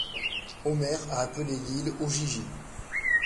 Homère a appelé l'île Ogygie.